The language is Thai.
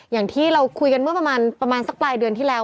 อย่างที่เราคุยกันเมื่อประมาณสักปลายเดือนที่แล้ว